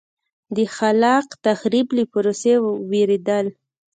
د خلاق تخریب له پروسې وېرېدل.